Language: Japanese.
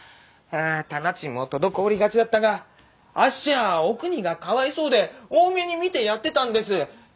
あ店賃も滞りがちだったがあっしはおくにがかわいそうで大目に見てやってたんです。